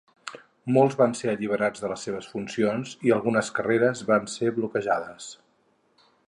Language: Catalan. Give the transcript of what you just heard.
Molts van ser alliberats de les seves funcions, i algunes carreres van ser bloquejades.